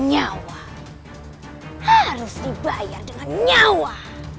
nyawa harus dibayar dengan nyawa